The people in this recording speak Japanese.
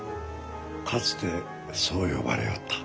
かつてそう呼ばれよった。